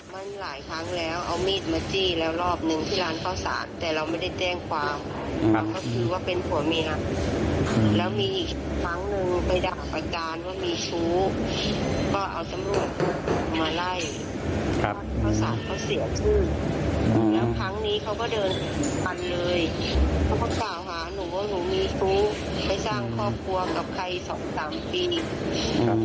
เพราะว่าหนูเมชุไปสร้างครอบครัวกับใคร๒๓ปี